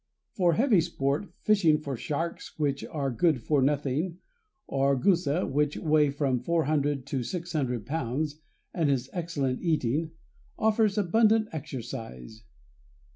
For heavy sport, fishing for sharks, which are good for nothing, or the gusa, which weighs from 400 to 600 pounds and is excellent eating, offers abundant exercise.